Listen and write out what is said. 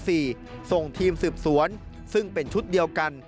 ส่งทีมสืบสวนซึ่งเป็นชุดเดียวกัน